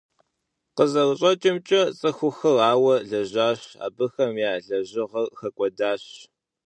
КъызэрыщӀэкӀымкӀэ, цӀыхухэр ауэ лэжьащ, абыхэм я лэжьыгъэр хэкӀуэдащ.